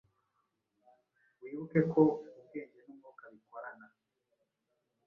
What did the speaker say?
Wibuke ko ubwenge n’umwuka bikorana,